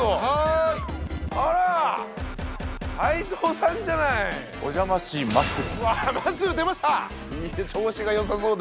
いいね調子がよさそうで。